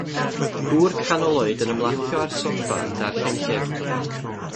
Gŵr canol oed yn ymlacio ar soffa yn darllen llyfr.